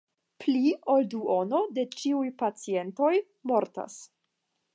Pli ol duono de ĉiuj pacientoj mortas.